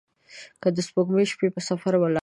که د سپوږمۍ شپې په سفر ولاړي